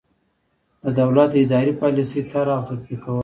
د دولت د اداري پالیسۍ طرح او تطبیق کول.